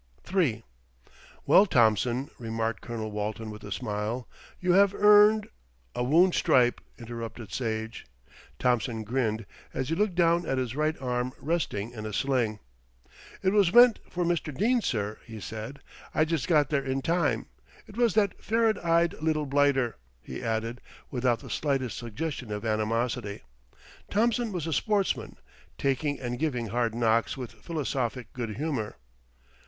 III "Well, Thompson," remarked Colonel Walton with a smile, "you have earned " "A wound stripe," interrupted Sage. Thompson grinned, as he looked down at his right arm resting in a sling. "It was meant for Mr. Dene, sir," he said. "I just got there in time. It was that ferret eyed little blighter," he added without the slightest suggestion of animosity. Thompson was a sportsman, taking and giving hard knocks with philosophic good humour.